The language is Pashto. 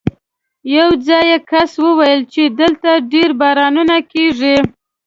یو ځايي کس وویل چې دلته ډېر بارانونه کېږي.